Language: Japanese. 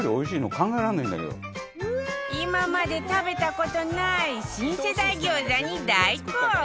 今まで食べた事ない新世代餃子に大興奮